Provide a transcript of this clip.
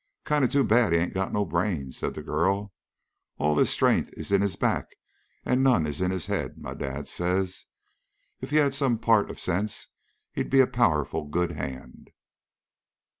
"Kind of too bad he ain't got no brains," said the girl. "All his strength is in his back, and none is in his head, my dad says. If he had some part of sense he'd be a powerful good hand."